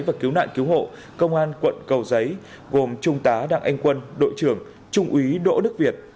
và cứu nạn cứu hộ công an quận cầu giấy gồm trung tá đặng anh quân đội trưởng trung úy đỗ đức việt